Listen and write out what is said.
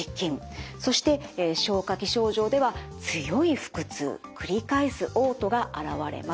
そして消化器症状では強い腹痛繰り返すおう吐があらわれます。